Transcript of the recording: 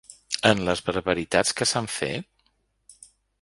En les barbaritats que s’han fet?